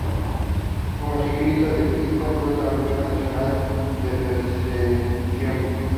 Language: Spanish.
Como ciclista de pista, fue campeón nacional de persecución.